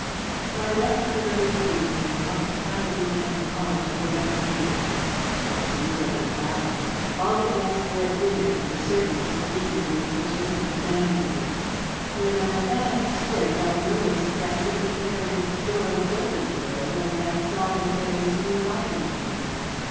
So I left my mother's room and walked quietly down the hall to the left wing. There was nobody about. All the guests were at dinner, and the servants were busy in the kitchen and the dining room. "When I got upstairs I noticed that Mrs. Heredith's door was open a little, and I saw that there was no light in the room.